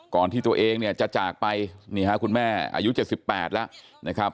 ที่ตัวเองเนี่ยจะจากไปนี่ฮะคุณแม่อายุ๗๘แล้วนะครับ